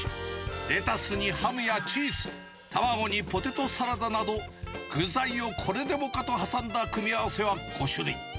レタスにハムやチーズ、卵にポテトサラダなど、具材をこれでもかと挟んだ組み合わせは５種類。